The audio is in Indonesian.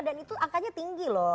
dan itu akannya tinggi loh